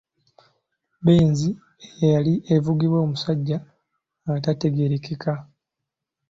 Benz eyali evugibwa omusajja ataategerekeka.